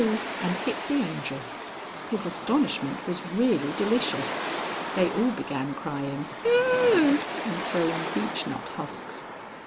_" and hit the Angel. His astonishment was really delicious. They all began crying "Oh!" and throwing beechnut husks.